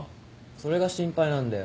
それが心配なんだよ。